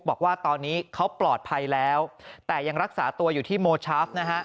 บอกว่าตอนนี้เขาปลอดภัยแล้วแต่ยังรักษาตัวอยู่ที่โมชาฟนะฮะ